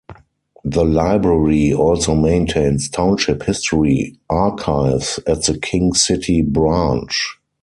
The library also maintains township history archives at the King City branch.